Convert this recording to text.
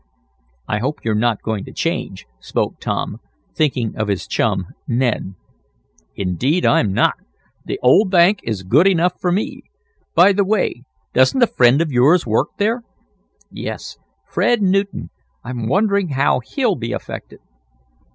"I hope you're not going to change," spoke Tom, thinking of his chum, Ned. "Indeed I'm not. The old bank is good enough for me. By the way, doesn't a friend of yours work there?" "Yes, Ned Newton. I'm wondering how he'll be affected?"